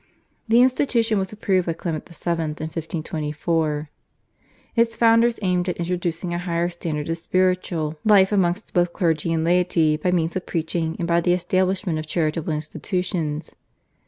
The institution was approved by Clement VII. in 1524. Its founders aimed at introducing a higher standard of spiritual life amongst both clergy and laity by means of preaching and by the establishment of charitable institutions.